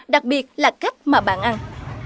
đặc biệt là cách mà bạn ăn